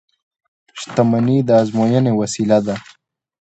• شتمني د ازموینې وسیله ده.